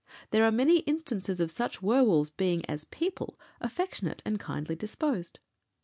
There are many instances of such werwolves being, as people, affectionate and kindly disposed.